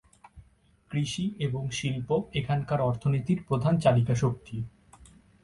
কৃষি এবং শিল্প এখানকার অর্থনীতির প্রধান চালিকাশক্তি।